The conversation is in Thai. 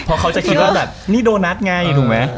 เพราะเขาจะคิดว่านี่โดนัสง่ายเลยถูกไหม